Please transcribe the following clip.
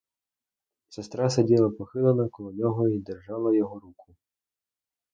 Сестра сиділа похилена коло нього й держала, його руку.